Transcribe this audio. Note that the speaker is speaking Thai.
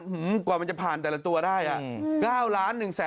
กว่ามันจะผ่านแต่ละตัวได้อ่ะ